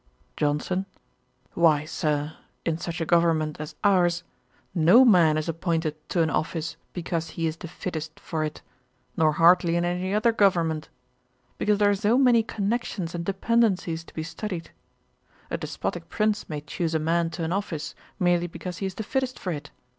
JOHNSON. 'Why, Sir, in such a government as ours, no man is appointed to an office because he is the fittest for it, nor hardly in any other government; because there are so many connections and dependencies to be studied. A despotick prince may choose a man to an office, merely because he is the fittest for it.